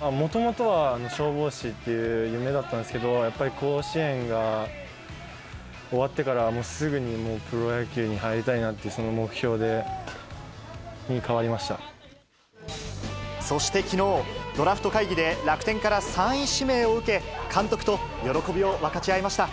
もともとは消防士っていう夢だったんですけど、やっぱり、甲子園が終わってからすぐにプロ野球に入りたいなっていう、そしてきのう、ドラフト会議で楽天から３位指名を受け、監督と喜びを分かち合いました。